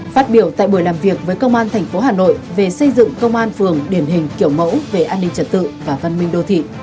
phát biểu tại buổi làm việc với công an tp hà nội về xây dựng công an phường điển hình kiểu mẫu về an ninh trật tự và văn minh đô thị